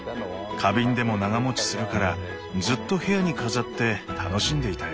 花瓶でも長もちするからずっと部屋に飾って楽しんでいたよ。